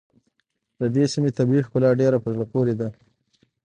د دې سيمې طبیعي ښکلا ډېره په زړه پورې ده.